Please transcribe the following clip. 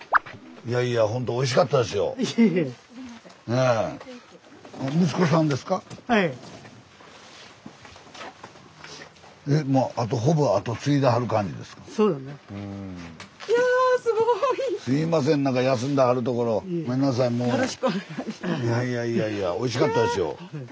いやいやいやいやおいしかったですよ。